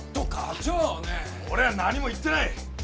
俺は何も言ってない。